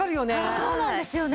そうなんですよね。